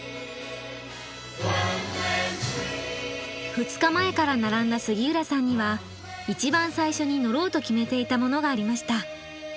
２日前から並んだ杉浦さんには一番最初に乗ろうと決めていたものがありました。